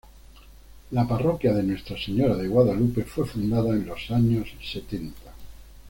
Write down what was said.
La parroquia de Nuestra Señora de Guadalupe fue fundada en los años setenta.